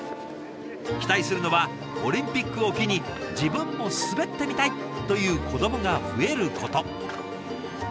期待するのはオリンピックを機に自分も滑ってみたい！という子どもが増えること。